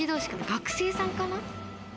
学生さんかな？